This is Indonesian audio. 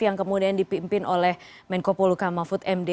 yang kemudian dipimpin oleh menko poluka mahfud md